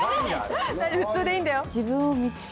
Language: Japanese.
大丈夫普通でいいんだよ。